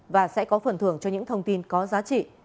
và sẽ có phần thưởng cho những thông tin có giá trị